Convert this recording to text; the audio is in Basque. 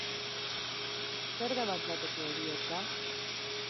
Zer da bat-bateko heriotza?